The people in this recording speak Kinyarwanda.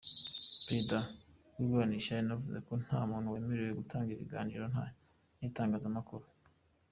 Perezida w’iburanisha yanavuze ko nta muntu wemerewe gutanga ikiganiro n’itangazamakuru.